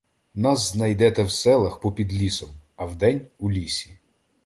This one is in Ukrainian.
Нас знайдете в селах попід лісом, а вдень — у лісі.